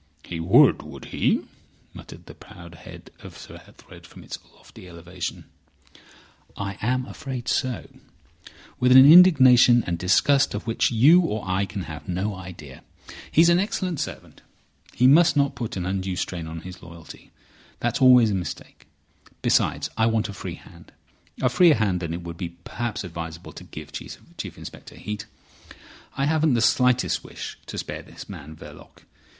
"He would, would he?" muttered the proud head of Sir Ethelred from its lofty elevation. "I am afraid so—with an indignation and disgust of which you or I can have no idea. He's an excellent servant. We must not put an undue strain on his loyalty. That's always a mistake. Besides, I want a free hand—a freer hand than it would be perhaps advisable to give Chief Inspector Heat. I haven't the slightest wish to spare this man Verloc.